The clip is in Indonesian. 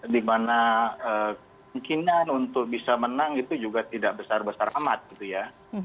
dimana kemungkinan untuk bisa menang itu juga tidak besar besar amat gitu ya